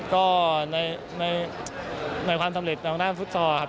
ก็ในความสำเร็จทางด้านฟุตซอลครับ